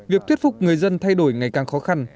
việc thuyết phục người dân thay đổi ngày càng khó khăn